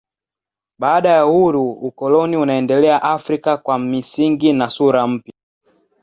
Baada ya uhuru ukoloni unaendelea Afrika kwa misingi na sura mpya.